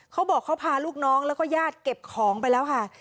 เขาบอกเขาพาลูกน้องแล้วก็ญาติเก็บของไปแล้วค่ะ